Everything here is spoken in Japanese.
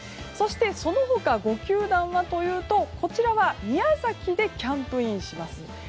そしてその他５球団はこちらは宮崎でキャンプインします。